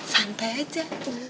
bener santai aja